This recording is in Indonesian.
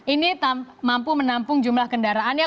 ini mampu menampung jumlah kendaraan ya